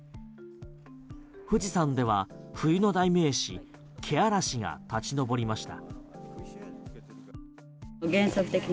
富士山では冬の代名詞けあらしが立ち上りました。